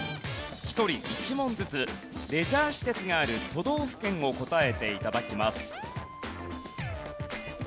１人１問ずつレジャー施設がある都道府県を答えて頂きます。